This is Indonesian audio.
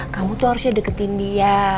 kamu tuh harusnya deketin dia